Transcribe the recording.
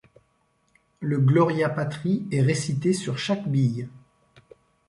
Le Gloria Patri est récité sur chaque bille.